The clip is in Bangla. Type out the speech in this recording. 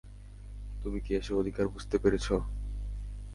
তুমি কি এসব অধিকার বুঝতে পেরেছ?